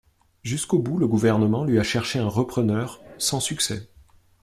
Jusqu'au bout, le gouvernement lui a cherché un repreneur, sans succès.